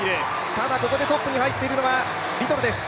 ただここにトップに入っているのはリトルです。